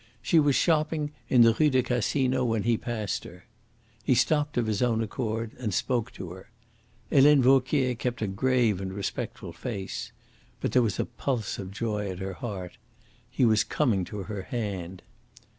She was shopping in the Rue du Casino when he passed her. He stopped of his own accord and spoke to her. Helene Vauquier kept a grave and respectful face. But there was a pulse of joy at her heart. He was coming to her hand.